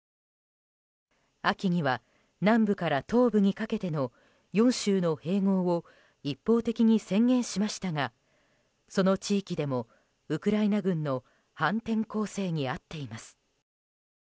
秋には南部から東部にかけての４州の併合を一方的に宣言しましたがその地域でもウクライナ軍の反転攻勢に遭っています。